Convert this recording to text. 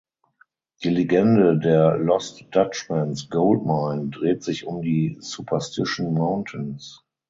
Die Legende der Lost Dutchman’s Gold Mine dreht sich um die Superstition Mountains.